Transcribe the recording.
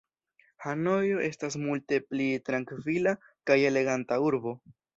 Hanojo estas multe pli trankvila kaj eleganta urbo.